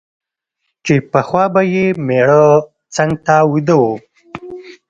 چي پخوا به یې مېړه څنګ ته ویده وو